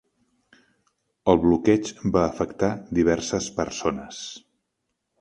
El bloqueig va afectar diverses persones.